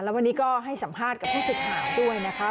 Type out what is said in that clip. วันนี้ก็ให้สัมภาษณ์กับผู้สื่อข่าวด้วยนะคะ